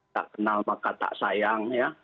tak kenal maka tak sayang ya